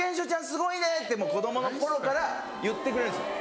すごいね」ってもう子供の頃から言ってくれるんですよ。